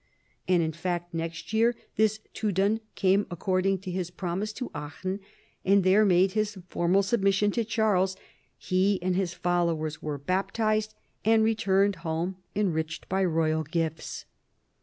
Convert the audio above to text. And in fact next year this tudun c^TdQ according to his promise to Aachen, and there made his formal submission to Charles. He and his followers were baptized and returned home enriched by royal gifts.